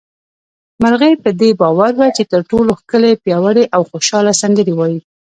مرغۍ په دې باور وه چې تر ټولو ښکلې، پياوړې او خوشحاله سندرې وايي